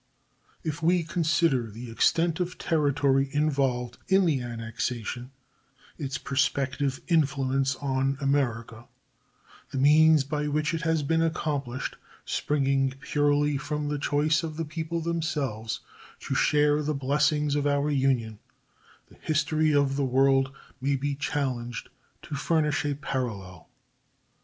If we consider the extent of territory involved in the annexation, its prospective influence on America, the means by which it has been accomplished, springing purely from the choice of the people themselves to share the blessings of our union, the history of the world may be challenged to furnish a parallel.